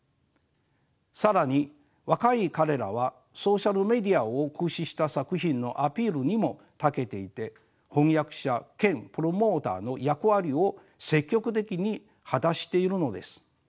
更に若い彼らはソーシャルメディアを駆使した作品のアピールにもたけていて翻訳者兼プロモーターの役割を積極的に果たしているのです。